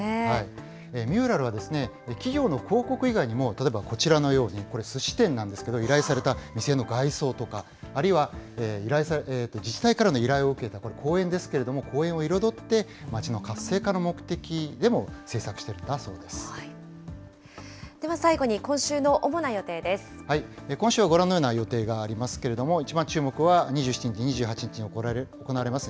ミューラルは企業の広告以外にも、例えばこちらのように、これ、すし店なんですけれども、依頼された店の外装とか、あるいは自治体からの依頼を受けて、これ公園ですけれども、公園を彩って町の活性化の目的でも制作しでは最後に今週の主な予定で今週はご覧のような予定がありますけれども、一番注目は、２７日、２８日に行われます